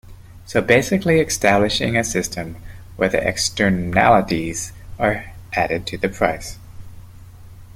So basically establishing a system where the externalities are added to the price.